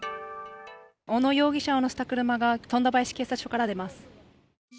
小野容疑者を乗せた車が富田林警察署から出ます。